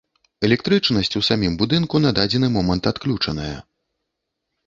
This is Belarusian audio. Электрычнасць у самім будынку на дадзены момант адключаная.